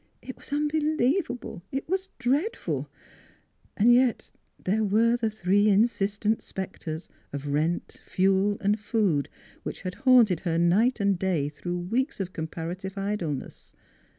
It was unbeliev able ! It was dreadful ! And yet there were the three insistent specters of rent, fuel, and food which had haunted her night and day through weeks of comparative idleness.